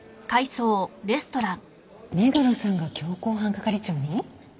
目黒さんが強行犯係長に？